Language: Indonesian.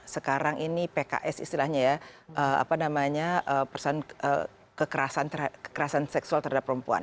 sekarang ini pks istilahnya ya apa namanya perusahaan kekerasan seksual terhadap perempuan